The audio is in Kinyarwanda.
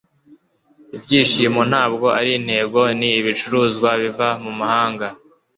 ibyishimo ntabwo ari intego; ni ibicuruzwa biva mu mahanga